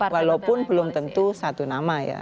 walaupun belum tentu satu nama ya